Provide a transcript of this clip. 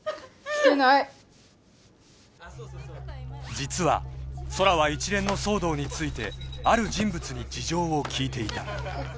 ［実は空は一連の騒動についてある人物に事情を聴いていた］